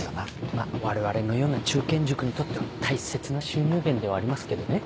まぁ我々のような中堅塾にとっては大切な収入源ではありますけどね。